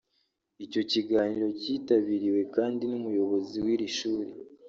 Icyo kiganiro kitabiriwe kandi n’Umuyobozi w’iri shuri